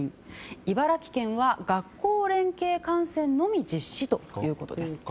茨城県は学校連携観戦のみ実施ということです。